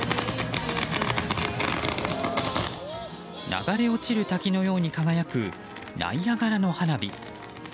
流れ落ちる滝のように輝くナイアガラの花火。